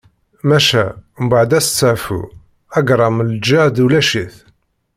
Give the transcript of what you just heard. Maca, mbaɛd asteɛfu, agṛam n lǧehd ulac-it.